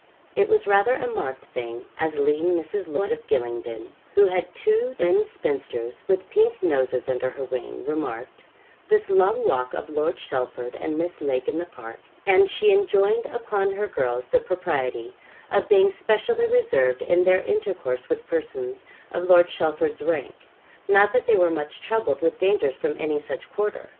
It was rather a marked thing as lean Mrs. Loyd, of Gylingden, who had two thin spinsters with pink noses under her wing, remarked this long walk of Lord Chelford and Miss Lake in the park; and she enjoined upon her girls the propriety of being specially reserved in their intercourse with persons of Lord Chelford's rank; not that they were much troubled with dangers from any such quarter.